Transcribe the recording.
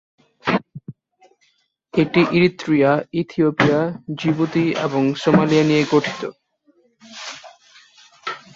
এটি Eritrea, Ethiopia, Djibouti এবং Somalia নিয়ে গঠিত।